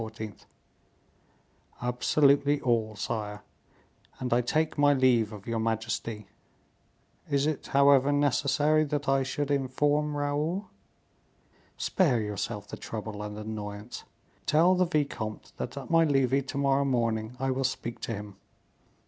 "Absolutely all, sire; and I take my leave of your majesty. Is it, however, necessary that I should inform Raoul?" "Spare yourself the trouble and annoyance. Tell the vicomte that at my levee to morrow morning I will speak to him.